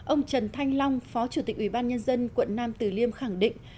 ông trần thanh long phó chủ tịch ủy ban nhân dân quận nam tử liêm khẳng định